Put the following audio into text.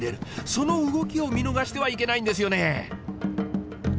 その動きを見逃してはいけないんですよね。